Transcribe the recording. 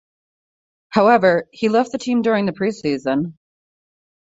However, he left the team during the pre-season.